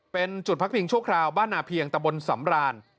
เป็นจุดพักพิงชั่วคราวบ้านนาเพียงตะบนสำราน